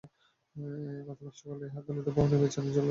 গতকাল সকালে আদালত ভবনের পেছনে জলকর দিঘিতে পথচারীরা তাঁর লাশ ভাসতে দেখে।